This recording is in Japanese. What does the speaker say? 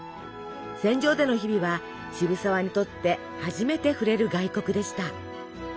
船上での日々は渋沢にとって初めて触れる外国でした。